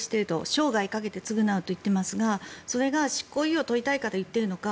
生涯をかけて償うと言っていますがそれが執行猶予を取りたいから言っているのか